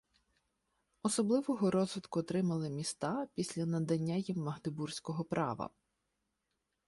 Особливого розвитку отримали міста після надання їм магдебурзького права.